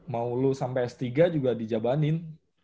mau lu sampe s tiga juga dijabanin